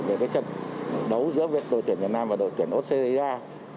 về trận đấu giữa đội tuyển việt nam và đội tuyển ocdc